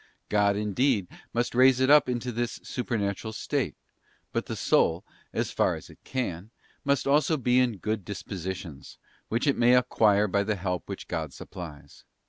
God, indeed, must raise it up into this supernatural state; but the soul, so far as it can, must also be in good dispositions, which it may acquire by the help which God supplies.